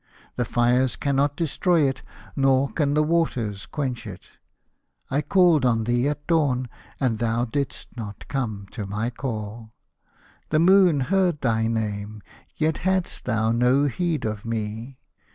The fires cannot destroy it, nor can the waters quench it. I called on thee at dawn, and thou didst not come to my call. The moon heard thy name, yet hadst thou no heed of me.